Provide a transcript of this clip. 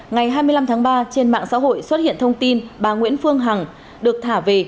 ngày hai mươi năm tháng ba trên mạng xã hội xuất hiện thông tin bà nguyễn phương hằng được thả về